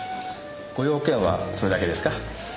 ご用件はそれだけですか？